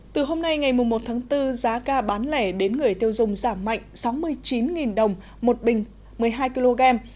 từ hôm nay ngày một tháng bốn giá ga bán lẻ đến người tiêu dùng giảm mạnh sáu mươi chín đồng một bình một mươi hai kg